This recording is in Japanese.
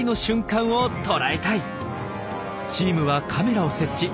チームはカメラを設置。